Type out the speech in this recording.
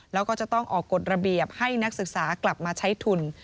แล้วก็จะต้องออกกฎระเบียบให้นักศึกษากลับมาใช้ทุน